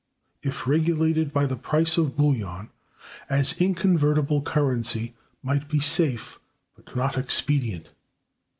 If regulated by the price of Bullion, as inconvertible Currency might be safe, but not Expedient.